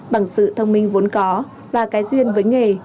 bằng sự thông minh vốn có và cái duyên với nghề